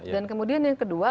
dan kemudian yang kedua